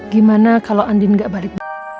gimana kalau andi enggak balik